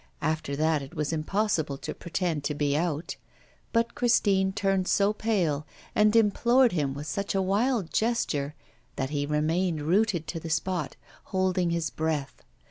After that it was impossible to pretend to be out. But Christine turned so pale, and implored him with such a wild gesture, that he remained rooted to the spot, holding his breath.